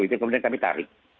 itu kemudian kami tarik